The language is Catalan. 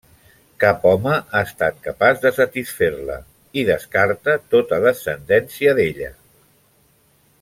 Cap home ha estat capaç de satisfer-la, i descarta tota descendència d'ella.